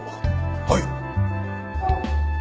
はい！